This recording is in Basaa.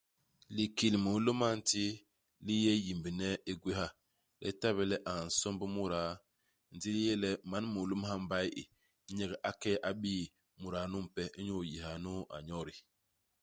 Likil mulôm a nti, li yé yimbne i gwéha. I ta bé le a nsomb muda, ndi i yé le mam mulôm ha i mbay i, nyek a ke a bii muda numpe, inyu iyiha nu a nyodi.